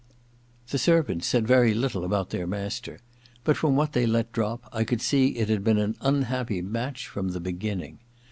The servants said very little about their master ; but from what they let drop I could see it had been an unhappy match from the beginning.